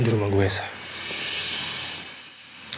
di rumah gue saya